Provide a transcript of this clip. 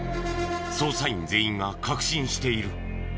捜査員全員が確信している。